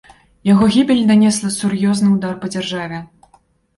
Яго гібель нанесла сур'ёзны ўдар па дзяржаве.